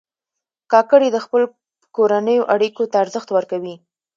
کاکړي د خپلو کورنیو اړیکو ته ارزښت ورکوي.